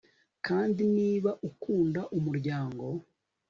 kandi niba ukunda umuryango